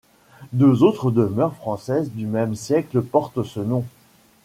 Deux autres demeures françaises du même siècle portent ce nom.